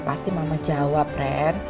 pasti mama jawab ren